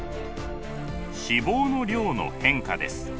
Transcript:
脂肪の量の変化です。